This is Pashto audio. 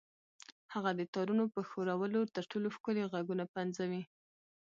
هغه د تارونو په ښورولو تر ټولو ښکلي غږونه پنځوي